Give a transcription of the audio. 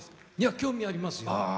興味ありますよ。